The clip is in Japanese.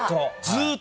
・ずーっと？